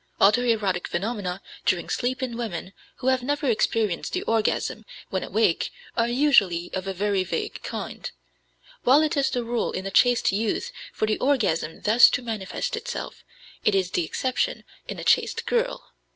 Auto erotic phenomena during sleep in women who have never experienced the orgasm when awake are usually of a very vague kind; while it is the rule in a chaste youth for the orgasm thus to manifest itself, it is the exception in a chaste girl.